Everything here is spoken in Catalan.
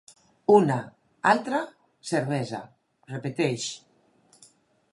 Una, altra, cervesa, repeteix.